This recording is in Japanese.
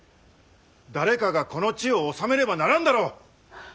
誰かがこの地を治めねばならんだろう！